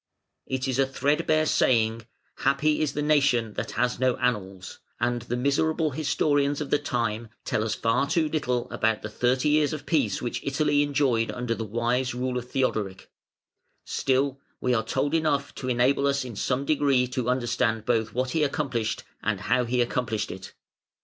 It is a threadbare saying, "Happy is the nation that has no annals", and the miserable historians of the time tell us far too little about the thirty years of peace which Italy enjoyed under the wise rule of Theodoric; still we are told enough to enable us in some degree to understand both what he accomplished and how he accomplished it.